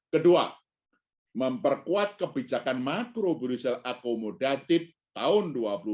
kedua memperkuat kebijakan makro burusial akomodatif tahun dua ribu dua puluh